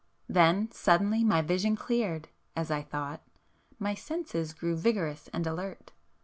Then suddenly my vision cleared (as I thought)—my senses grew vigorous and alert